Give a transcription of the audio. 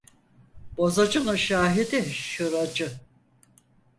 Bozacının şahidi şıracı.